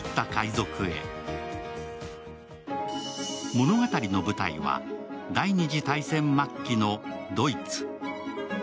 物語の舞台は第二次大戦末期のドイツ。